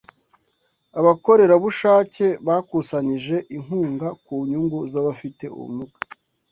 Abakorerabushake bakusanyije inkunga ku nyungu z'abafite ubumuga.